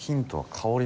香り？